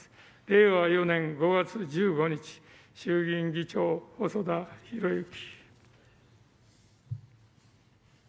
令和４年５月１５日衆議院議長、細田博之。